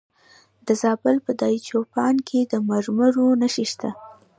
د زابل په دایچوپان کې د مرمرو نښې شته.